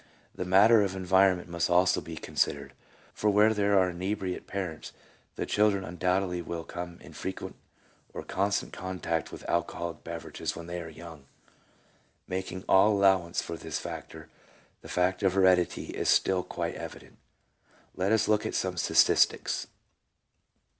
3 The matter of environment must be also considered, for where there are inebriate parents the children undoubtedly will come in frequent or constant contact with alcoholic beverages when they are young. Making all allow ance for this factor, the fact of heredity is still quite evident. Let us look at some statistics.